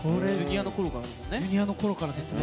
Ｊｒ．のころからだもんね。